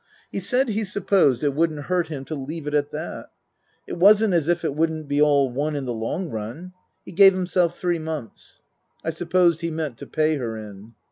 He said he supposed it wouldn't hurt him to leave it at that. It wasn't as if it wouldn't be all one in the long run. He gave himself three months. I supposed he meant to pay her in.